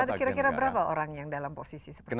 ada kira kira berapa orang yang dalam posisi seperti ini